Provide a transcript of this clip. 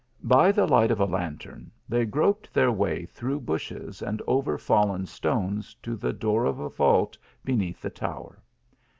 By the light of a lantern, they groped their way through bushes, and over fallen stones, to the door of a vault beneath the tower.